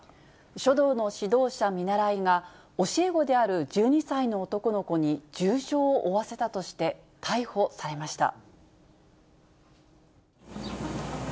書道の指導者見習いが、教え子である１２歳の男の子に重傷を負わせたとして、逮捕されました。